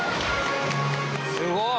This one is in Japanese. すごい！